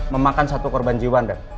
memakan satu korban jiwa anda